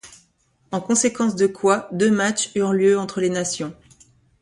En conséquence de quoi, deux matchs eurent lieu entre les nations.